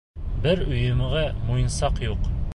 Бер өйөмгә муйынсаҡ юҡ.